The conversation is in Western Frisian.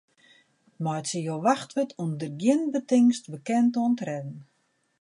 Meitsje jo wachtwurd ûnder gjin betingst bekend oan tredden.